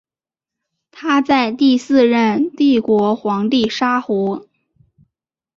他在第四任帝国皇帝沙胡。